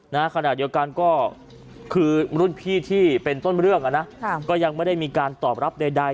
ขนาดเดียวกันก็คือรุ่นพี่ที่เป็นต้นเรื่องก็ยังไม่ได้มีการตอบรับใด